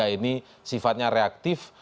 ini sifatnya reaktif